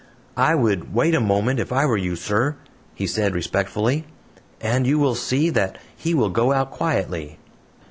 "I would wait a moment, if I were you, sir," he said, respectfully, "and you will see that he will go out quietly."